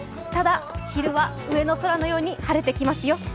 ただ、昼は上の空のように晴れてきますよ。